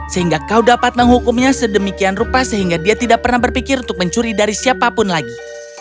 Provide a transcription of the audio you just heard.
sehingga kau dapat menghukumnya sedemikian rupa sehingga dia tidak pernah berpikir untuk mencuri dari siapapun lagi